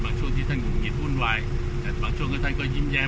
บางช่วงที่ท่านก็มีอุ่นวายแต่บางช่วงก็ท่านก็ยิ้มแย้ม